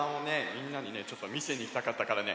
みんなにねちょっとみせにいきたかったからね